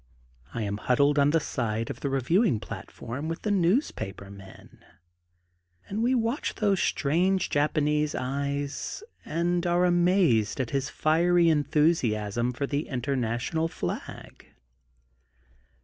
I am huddled on the side of the reviewing platform with the newspaper men, and we watch those strange Japanese eyes, and are amazed at his fiery enthusiasm for the Intemational Flag.